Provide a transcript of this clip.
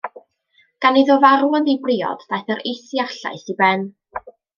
Gan iddo farw yn ddibriod daeth yr is-iarllaeth i ben.